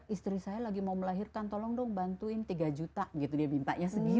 istri saya lagi mau melahirkan tolong dong bantuin tiga juta gitu dia mintanya sendiri